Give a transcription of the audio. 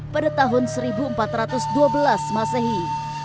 pada tahun seribu empat ratus dua belas masehi